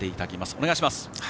お願いいたします。